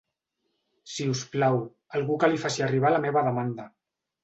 Si us plau, algú que li faci arribar la meva demanda.